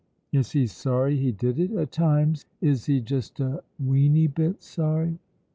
"Is he sorry he did it? At times, is he just a weeny bit sorry?"